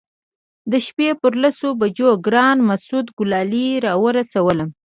د شپې پر لسو بجو ګران مسعود ګلالي راورسولم.